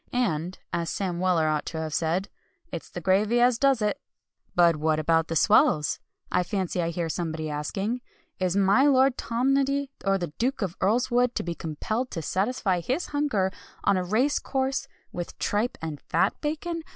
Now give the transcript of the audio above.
And, as Sam Weller ought to have said, "it's the gravy as does it." "But what about the swells?" I fancy I hear somebody asking, "Is my Lord Tomnoddy, or the Duke of Earlswood to be compelled to satisfy his hunger, on a race course, with tripe and fat bacon?